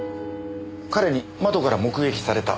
彼に窓から目撃された。